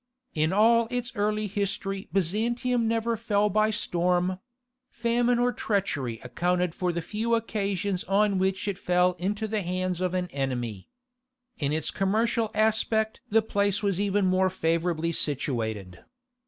In all its early history Byzantium never fell by storm: famine or treachery accounted for the few occasions on which it fell into the hands of an enemy. In its commercial aspect the place was even more favourably situated.